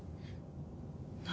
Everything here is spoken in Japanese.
何？